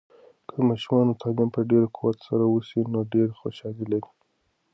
که د ماشومانو تعلیم په ډیر قوت سره وسي، نو ډیر خوشحالي لري.